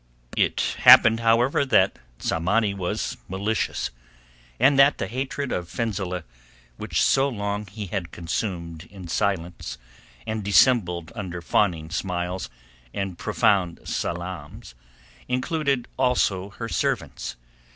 It happened, however, that Tsamanni was malicious, and that the hatred of Fenzileh which so long he had consumed in silence and dissembled under fawning smiles and profound salaams included also her servants.